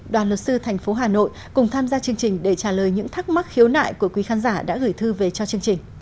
đoàn luật sư tp hcm cùng tham gia chương trình để trả lời những thắc mắc khiếu nại của quý khán giả đã gửi thư về cho chương trình